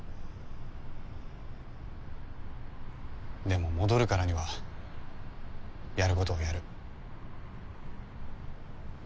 でも戻るからにはやることはやる。